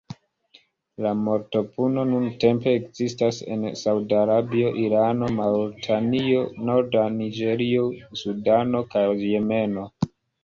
La mortopuno nuntempe ekzistas en Sauda Arabio, Irano, Maŭritanio, norda Niĝerio, Sudano, kaj Jemeno.